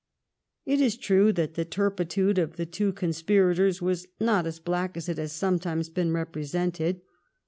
It is true that the turpitude of the two conspi ratoiss was not as black as it has sometimes been represented.